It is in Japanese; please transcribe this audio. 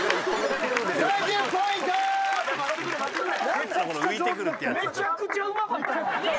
めちゃくちゃうまかった。